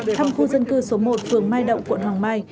thăm khu dân cư số một phường mai động quận hoàng mai